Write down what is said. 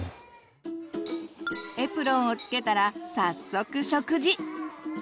エプロンをつけたら早速食事！